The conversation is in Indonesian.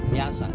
mau siapa lagi